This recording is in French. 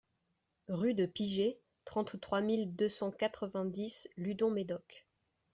Rue de Piget, trente-trois mille deux cent quatre-vingt-dix Ludon-Médoc